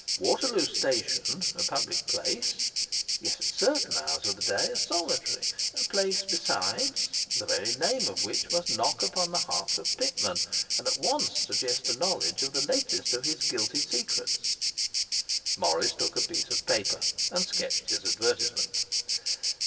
Waterloo Station, a public place, yet at certain hours of the day a solitary; a place, besides, the very name of which must knock upon the heart of Pitman, and at once suggest a knowledge of the latest of his guilty secrets. Morris took a piece of paper and sketched his advertisement.